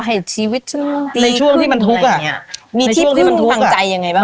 ไหว่ชีวิตในช่วงที่มันทุกข์อ่ะมีที่พึ่งทางใจยังไงบ้าง